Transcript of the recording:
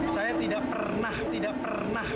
saya tidak pernah